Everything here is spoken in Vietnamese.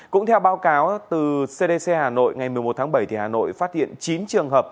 cũng theo báo cáo từ cdc hà nội ngày một mươi một tháng bảy hà nội phát hiện chín trường hợp